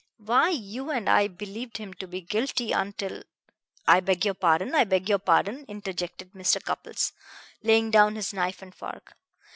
Why, you and I believed him to be guilty until " "I beg your pardon! I beg your pardon!" interjected Mr. Cupples, laying down his knife and fork.